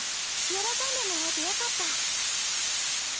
よろこんでもらえてよかった。